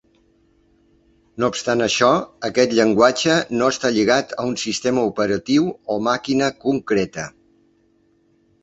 No obstant això, aquest llenguatge no està lligat a un sistema operatiu o màquina concreta.